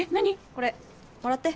これもらって。